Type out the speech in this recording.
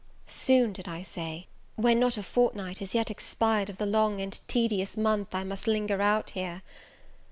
Soon, did I say! when not a fortnight is yet expired of the long and tedious month I must linger out here!